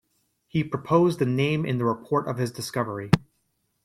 He proposed the name in the report of his discovery.